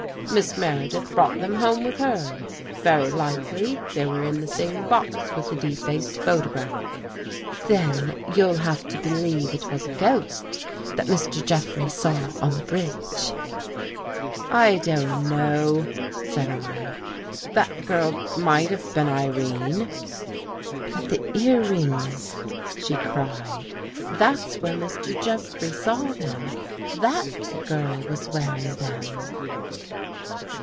" Miss Meredith brought them home with her. Very likely they were in the same box with the defaced photograph." " Then you'll have to believe it was a ghost that Mr. Jeffrey saw on the bridge." " I don't know," said I. " That girl might have been Irene." " But the earrings !" she cried. " That's where Mr. Jeffrey saw them. That girl was wear ing them."